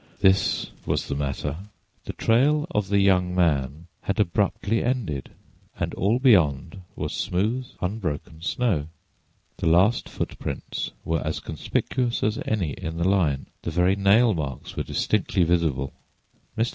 This was the matter: the trail of the young man had abruptly ended, and all beyond was smooth, unbroken snow. The last footprints were as conspicuous as any in the line; the very nail marks were distinctly visible. Mr.